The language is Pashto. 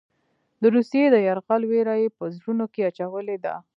د روسیې د یرغل وېره یې په زړونو کې اچولې ده.